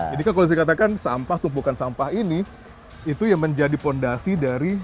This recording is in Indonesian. jadi kalau saya katakan sampah tumpukan sampah ini itu yang menjadi fondasi dari